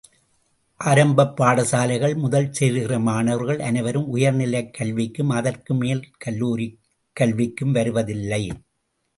ஆரம்பப் பாடசாலைகள் முதல் சேர்கிற மாணவர்கள் அனைவரும் உயர்நிலைக் கல்விக்கும் அதற்கு மேல் கல்லூரிக் கல்விக்கும் வருவதில்லை.